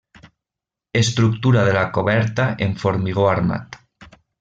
Estructura de la coberta en formigó armat.